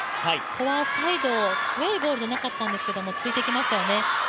フォアサイド、強いボールではなかったんですけど、ついていきましたよね。